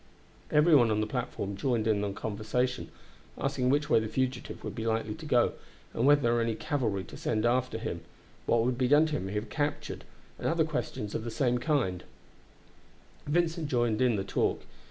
Every one on the platform joined in the conversation, asking which way the fugitive would be likely to go, whether there were any cavalry to send after him, what would be done to him if he were captured, and other questions of the same kind, Vincent joining in the talk.